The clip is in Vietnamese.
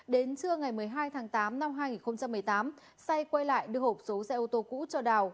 đến trưa ngày một mươi hai tháng tám năm hai nghìn một mươi tám say quay lại đưa hộp số xe ô tô cũ cho đào